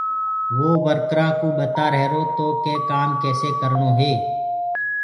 وو ورڪرآنٚ ڪوُ ٻتآ رهيرو تو ڪي ڪآم ڪيسي ڪرڻو هي؟